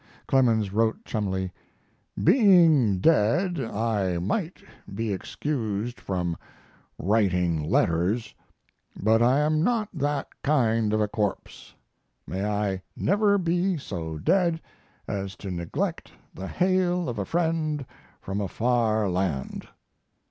Clemens wrote Cholmondeley: "Being dead I might be excused from writing letters, but I am not that kind of a corpse. May I never be so dead as to neglect the hail of a friend from a far land."